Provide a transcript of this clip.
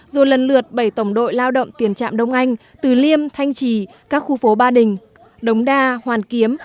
rồi lần lượt bảy tổng đội lao động tiền trạm đông anh từ liêm thanh trì các khu phố ba đình đống đa hoàn kiếm